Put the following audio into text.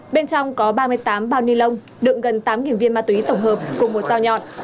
bên trong có ba mươi tám bao ni lông đựng gần tám viên ma túy tổng hợp cùng một dao nhọn